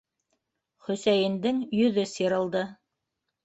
Хөсәйендең йөҙө сирылды: